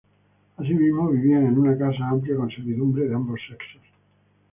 Asimismo, vivía en una casa amplia con servidumbre de ambos sexos.